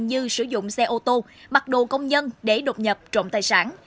như sử dụng xe ô tô mặc đồ công nhân để đột nhập trộm tài sản